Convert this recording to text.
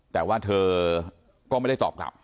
แต่ว่าเธอก็ไม่ได้ตอบกลับ